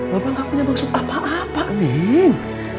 bapak nggak punya maksud apa apa nek